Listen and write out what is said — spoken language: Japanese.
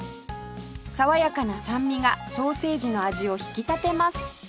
爽やかな酸味がソーセージの味を引き立てます